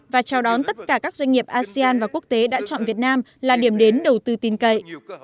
và chào đón tất cả các doanh nghiệp asean và quốc tế đã chọn việt nam là điểm đến đầu tư tin cậy